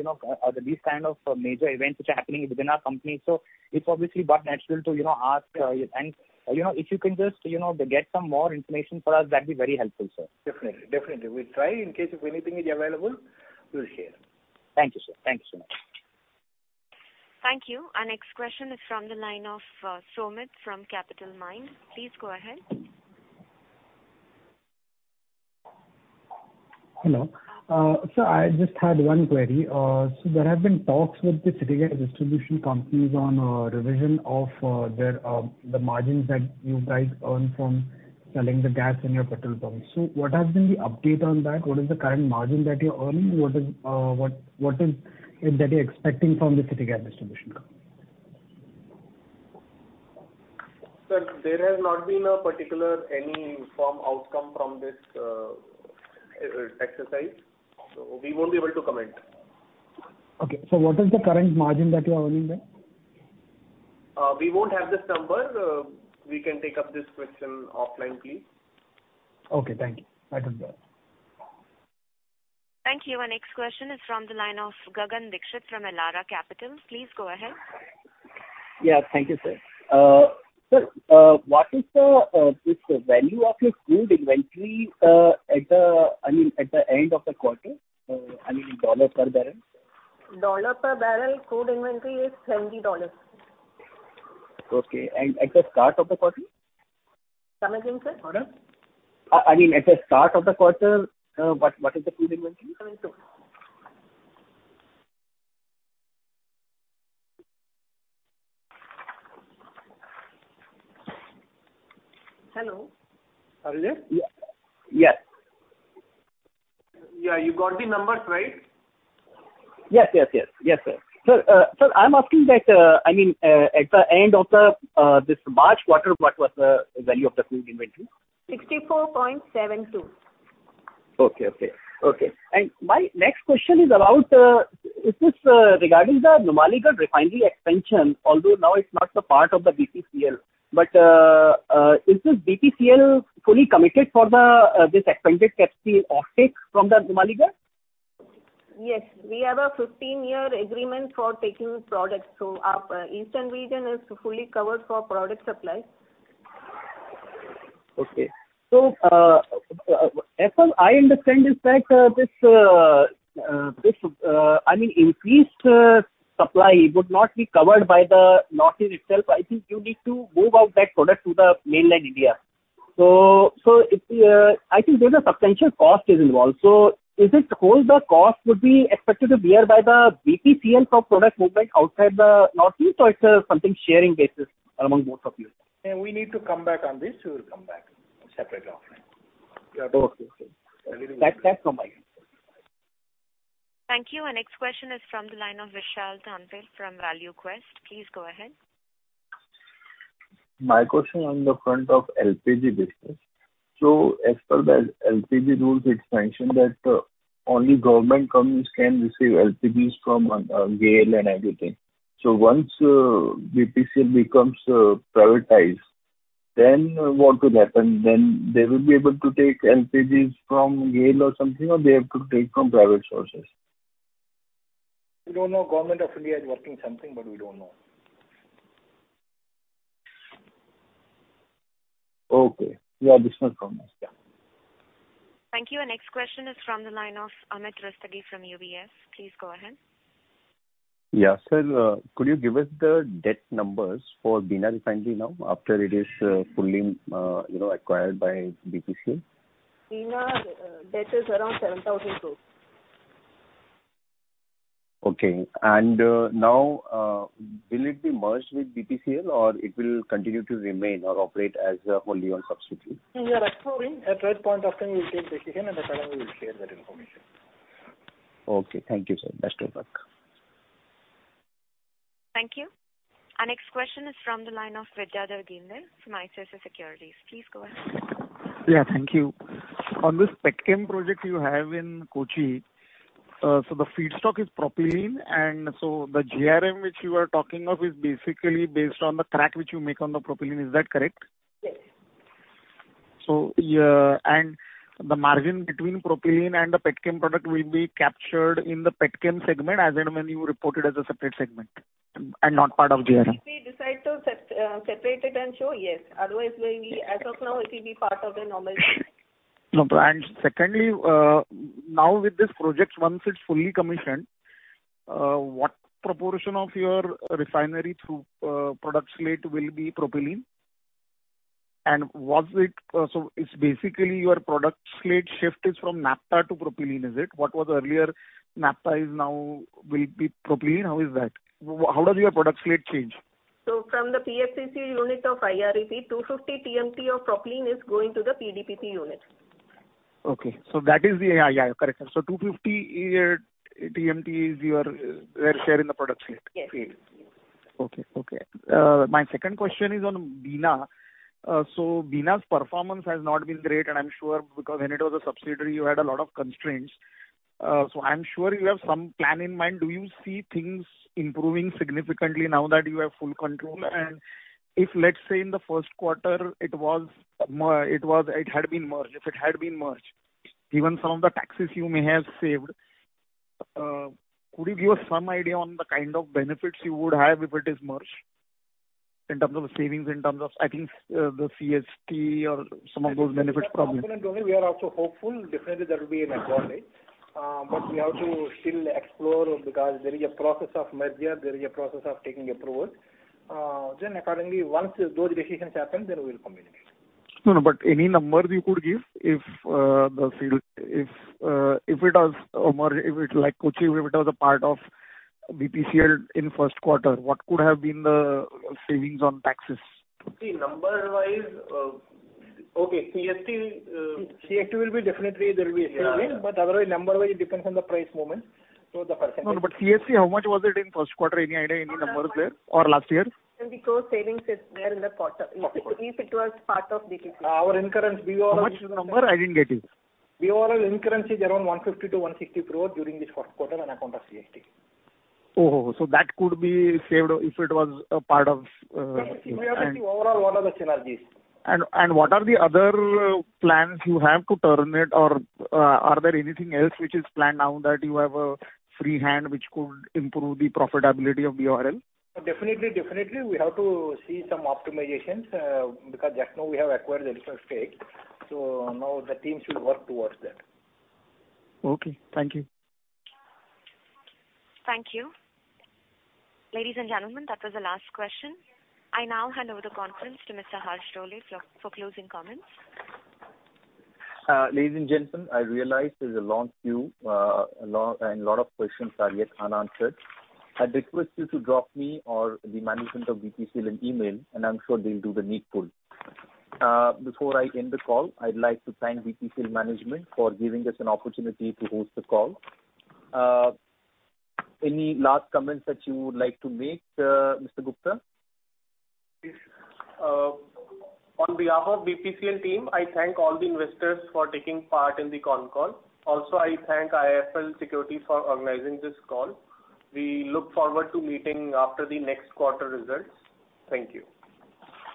these kind of major events which are happening within our company. It's obviously but natural to ask. If you can just get some more information for us, that'd be very helpful, sir. Definitely. We'll try. In case if anything is available, we'll share. Thank you, sir. Thanks so much. Thank you. Our next question is from the line of Soumeet from Capitalmind. Please go ahead. Hello. Sir, I just had one query. There have been talks with this gas distribution companies on revision of the margins that you guys earn from selling the gas in your petrol pumps. What has been the update on that? What is the current margin that you're earning? What is it that you're expecting from this rare distribution? Sir, there has not been a particular any firm outcome from this exercise. We won't be able to comment. Okay. What is the current margin that you are earning there? We won't have this number. We can take up this question offline, please. Okay, thank you. I'll do that. Thank you. Our next question is from the line of Gagan Dixit from Elara Capital. Please go ahead. Yeah, thank you, sir. Sir, what is the value of your crude inventory at the end of the quarter, in U.S. dollar per barrel? Dollar per barrel crude inventory is $70. Okay. At the start of the quarter? Come again, sir? Start of? At the start of the quarter, what is the crude inventory? Hello? Are you there? Yes. Yeah. You got the numbers, right? Yes, sir. Sir, I'm asking that at the end of this March quarter, what was the value of the crude inventory? $64.72. Okay. My next question is regarding the Numaligarh Refinery expansion, although now it's not the part of the BPCL, is this BPCL fully committed for this expanded capacity offtake from the Numaligarh? Yes. We have a 15-year agreement for taking product. Our eastern region is fully covered for product supply. Okay. As far I understand, is that this increased supply would not be covered by the Northeast itself. I think you need to move out that product to the mainland India. I think there's a substantial cost is involved. Is it whole the cost would be expected to bear by the BPCL for product movement outside the Northeast, or it's something sharing basis among both of you? We need to come back on this. We will come back separately offline. Okay. That's from my end. Thank you. Our next question is from the line of Vishal Thanvi from ValueQuest. Please go ahead. My question on the front of LPG business. As per the LPG rules, it's mentioned that only government companies can receive LPGs from GAIL and everything. Once BPCL becomes privatized, then what will happen? They will be able to take LPGs from GAIL or something, or they have to take from private sources? We don't know. Government of India is working something, but we don't know. Okay. Yeah, this is from us. Yeah. Thank you. Our next question is from the line of Amit Rustagi from UBS. Please go ahead. Yeah. Sir, could you give us the debt numbers for Bina Refinery now after it is fully acquired by BPCL? Bina debt is around INR 7,000 crores. Okay. Now, will it be merged with BPCL, or it will continue to remain or operate as fully owned subsidiary? We are exploring. At right point of time, we'll take decision and accordingly, we'll share that information. Okay. Thank you, sir. Best of luck. Thank you. Our next question is from the line of Vidyadhar Ginde from ICICI Securities. Please go ahead. Yeah, thank you. On this petchem project you have in Kochi, so the feedstock is propylene, and so the GRM which you are talking of is basically based on the crack which you make on the propylene. Is that correct? Yes. The margin between propylene and the petchem product will be captured in the petchem segment as and when you report it as a separate segment, not part of the GRM? If we decide to separate it and show, yes. Otherwise, as of now, it will be part of the normal. No. Secondly, now with this project, once it's fully commissioned, what proportion of your refinery through product slate will be propylene? It's basically your product slate shift is from naphtha to propylene, is it? What was earlier naphtha now will be propylene. How is that? How does your product slate change? From the PFCC unit of IREP, 250 TMT of propylene is going to the PDPP unit. Okay. That is the Yeah, correct, sir. 250 TMT is your share in the product slate? Yes. Okay. My second question is on Bina. Bina's performance has not been great, and I'm sure because when it was a subsidiary, you had a lot of constraints. I'm sure you have some plan in mind. Do you see things improving significantly now that you have full control? If, let's say, in the first quarter, it had been merged, if it had been merged, given some of the taxes you may have saved, could you give us some idea on the kind of benefits you would have if it is merged in terms of savings, in terms of, I think, the CST or some of those benefits probably? We are confident only. We are also hopeful. Definitely there will be an advantage. We have to still explore because there is a process of merger, there is a process of taking approval. Accordingly, once those decisions happen, then we will communicate. No, any numbers you could give if it was like Kochi, if it was a part of BPCL in first quarter, what could have been the savings on taxes? See, number-wise— Okay, CST. CST will be definitely there will be a saving. Yeah. Otherwise, number-wise, it depends on the price movement. The percentage. No, CST, how much was it in first quarter? Any idea? Any numbers there? Or last year? It will be gross savings is there in the quarter. Quarter. If it was part of BPCL. Our incurrence, BORL- How much is the number? I didn't get it. BORL incurrence is around 150 crore-160 crore during this first quarter on account of CST. Oh. That could be saved if it was a part of. Yes. We have to see overall what the synergies are. What are the other plans you have to turn it, or are there anything else which is planned now that you have a free hand which could improve the profitability of BORL? Definitely, we have to see some optimizations, because just now we have acquired the different stake. Now the team should work towards that. Okay. Thank you. Thank you. Ladies and gentlemen, that was the last question. I now hand over the conference to Mr. Harsh Dole for closing comments. Ladies and gentlemen, I realize there's a long queue, and lot of questions are yet unanswered. I request you to drop me or the management of BPCL an email, and I'm sure they'll do the needful. Before I end the call, I'd like to thank BPCL management for giving us an opportunity to host the call. Any last comments that you would like to make, Mr. Gupta? On behalf of BPCL team, I thank all the investors for taking part in the conf call. I thank IIFL Securities for organizing this call. We look forward to meeting after the next quarter results. Thank you.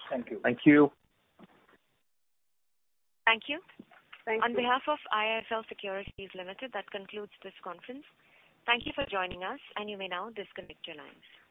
Thank you. Thank you. Thank you. On behalf of IIFL Securities Limited, that concludes this conference. Thank you for joining us, and you may now disconnect your lines.